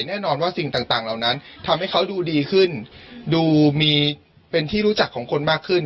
แน่นอนว่าสิ่งต่างเหล่านั้นทำให้เขาดูดีขึ้นดูมีเป็นที่รู้จักของคนมากขึ้น